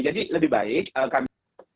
jadi lebih baik kami